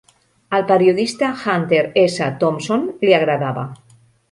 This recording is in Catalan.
Al periodista Hunter S. Thompson li agradava.